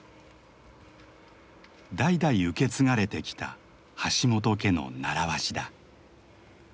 代々受け継がれてきた橋本家の習わしだ。